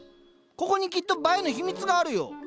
ここにきっと映えの秘密があるよ。